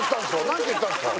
何て言ったんすか？